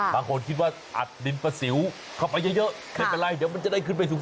บางคนคิดว่าอัดดินประสิวเข้าไปเยอะไม่เป็นไรเดี๋ยวมันจะได้ขึ้นไปสูง